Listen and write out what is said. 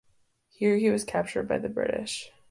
Here he was captured by the British.